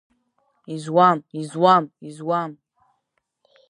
Изуам, изуам, изуам!